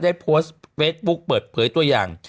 ได้โพสต์เฟซบุ๊คเปิดเผยตัวอย่าง